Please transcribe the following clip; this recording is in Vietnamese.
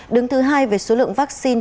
đứng thứ hai về số lượng vaccine